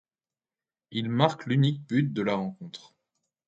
Il marque l'unique but de la rencontre.